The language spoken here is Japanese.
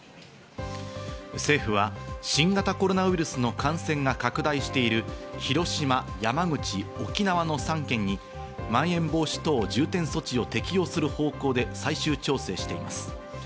政府は新型コロナウイルスの感染が拡大している広島、山口、沖縄の３県にまん延防止等重点措置を適用する方向で最終調整しています。